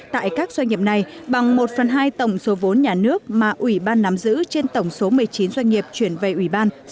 tại các doanh nghiệp này bằng một phần hai tổng số vốn nhà nước mà ủy ban nắm giữ trên tổng số một mươi chín doanh nghiệp chuyển về ủy ban